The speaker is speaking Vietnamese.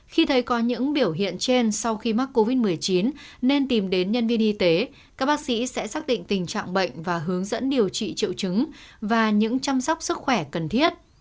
khi thấy có những biểu hiện trên sau khi mắc covid một mươi chín nên tìm đến nhân viên y tế các bác sĩ sẽ xác định tình trạng bệnh và hướng dẫn điều trị triệu chứng và những chăm sóc sức khỏe cần thiết